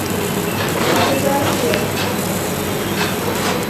Matreta yasia.